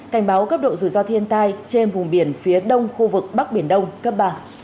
cảnh báo cấp độ rủi ro thiên tai trên vùng biển phía đông khu vực bắc biển đông cấp ba